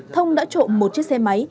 thông đã trộm một chiếc xe máy